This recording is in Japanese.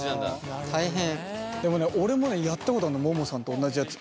でもね俺もねやったことあんのももさんと同じやつ。